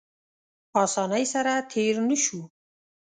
اسانۍ سره تېر نه شو.